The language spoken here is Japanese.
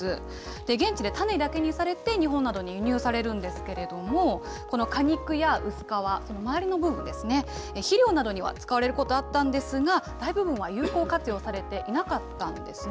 現地で種だけにされて、日本などに輸入されるんですけれども、この果肉や薄皮、周りの部分ですね、肥料などには使われることあったんですが、大部分は有効活用されていなかったんですね。